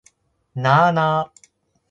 なあなあ